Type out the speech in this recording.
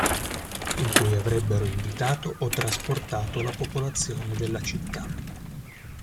In cui avrebbero invitato o trasportato la popolazione della città.